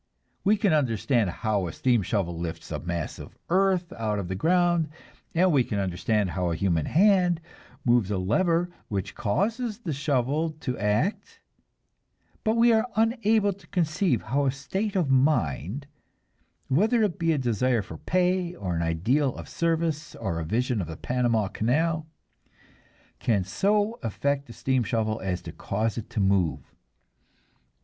We can understand how a steam shovel lifts a mass of earth out of the ground, and we can understand how a human hand moves a lever which causes the shovel to act; but we are unable to conceive how a state of mind whether it be a desire for pay, or an ideal of service, or a vision of the Panama Canal can so affect a steam shovel as to cause it to move.